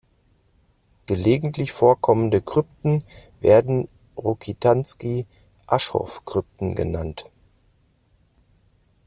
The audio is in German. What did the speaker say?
Gelegentlich vorkommende Krypten werden "Rokitansky-Aschoff-Krypten" genannt.